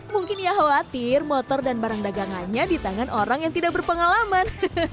mungkin ia khawatir motor dan barang dagangannya di tangan orang yang tidak berpengalaman